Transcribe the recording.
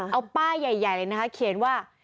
เอาป้ายใหญ่เลยนะคะเขียนว่า